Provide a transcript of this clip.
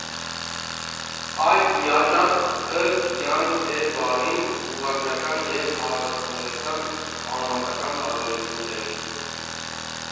Այս յաճախ կը յանգէր բառին ուղղագրական եւ արտասանութեան արմատական տարբերութիւններուն։